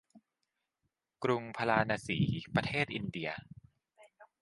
กรุงพาราณสี ประเทศอินเดีย